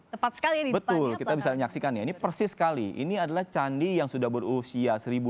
tepat sekali betul kita bisa menyaksikan ya ini persis sekali ini adalah candi yang sudah berusia